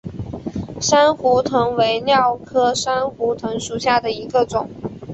珊瑚藤为蓼科珊瑚藤属下的一个种。